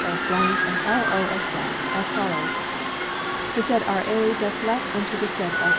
of , and L.O. of , as follows: The said R.A. doth let unto the said L.